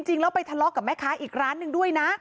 จริงแล้วไปทะเลาะกับแม่ค้าอีกร้านหนึ่งด้วยนะ